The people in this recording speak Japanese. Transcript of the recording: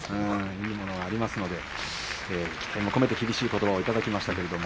いいものがありますので期待を込めて厳しいことばをいただきました。